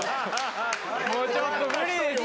もうちょっと無理です